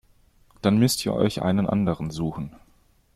Dann müsst ihr euch einen anderen suchen.